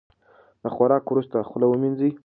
د خوراک وروسته خوله ومینځئ.